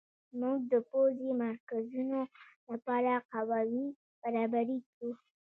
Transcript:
موږ د پوځي مرکزونو لپاره قواوې برابرې کړو.